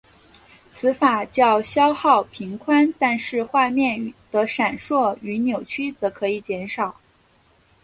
此法较消耗频宽但是画面的闪烁与扭曲则可以减少。